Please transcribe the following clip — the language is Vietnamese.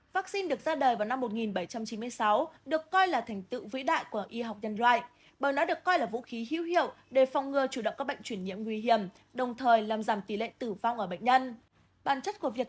vaccine được ra đời vào năm một nghìn bảy trăm chín mươi sáu được coi là thành tựu vĩ đại của y học nhân loại bởi nó được coi là vũ khí hữu hiệu để phòng ngừa chủ động các bệnh chuyển nhiễm nguy hiểm đồng thời làm giảm tỷ lệ tử vong ở bệnh nhân